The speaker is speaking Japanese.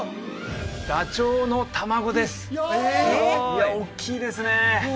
「ダチョウの卵」ですいやおっきいですね